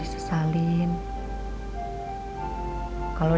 itu tak murahan